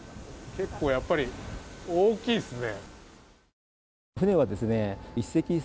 結構やっぱり大きいですね。